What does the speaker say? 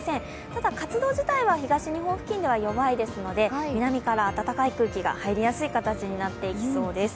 ただ、活動自体は東日本付近では弱いですので南から暖かい空気が入りやすい形となります。